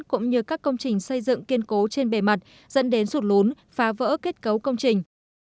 cũng như các công trình xây dựng kiên cố trên bề mặt dẫn đến sụt lún phá vỡ kết cấu công trình